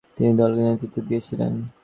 তিনি দলকে নেতৃত্ব দিয়েছিলেন।